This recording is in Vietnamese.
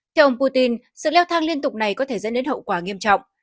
theo ông putin sự leo thang liên tục này có thể dẫn đến hậu quả nghiêm trọng